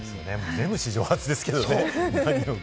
全部史上初ですけれどね。